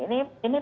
ini sebuah kondisi